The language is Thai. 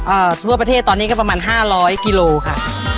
อ่าทั่วประเทศตอนนี้ก็ประมาณ๕๐๐กิโลค่ะ